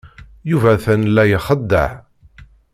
Yuba atan la ixeddeɛ.